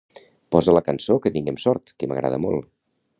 Posa la cançó "Que tinguem sort" que m'agrada molt.